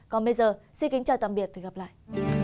còn bây giờ xin kính chào tạm biệt và hẹn gặp lại